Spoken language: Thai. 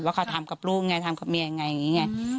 เขาทำกับลูกไงทำกับเมียไงอย่างนี้ไง